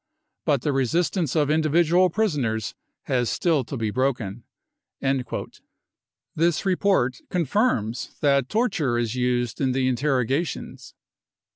. but the resistance of individual prisoners has still to be broken." This report confirms that torture is used in the interroga tions.